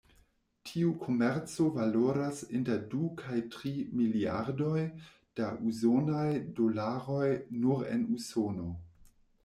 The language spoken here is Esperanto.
Tiu komerco valoras inter du kaj tri miliardoj da usonaj dolaroj nur en Usono.